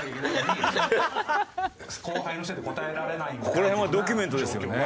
ここら辺はドキュメントですよね。